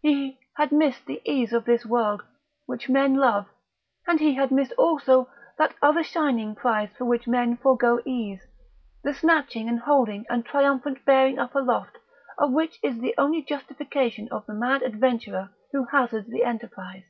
He had missed the ease of this world, which men love, and he had missed also that other shining prize for which men forgo ease, the snatching and holding and triumphant bearing up aloft of which is the only justification of the mad adventurer who hazards the enterprise.